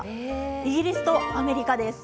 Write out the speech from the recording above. イギリスとアメリカです。